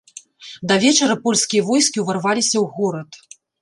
Да вечара польскія войскі ўварваліся ў горад.